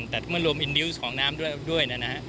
รวมรวมวิธีลืมเลือกแอบของน้ำด้วยนะ